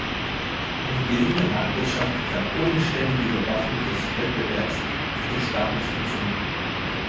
Eine gesunde Marktwirtschaft kann ohne ständige Überwachung des Wettbewerbs durch den Staat nicht funktionieren.